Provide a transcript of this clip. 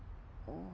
あ。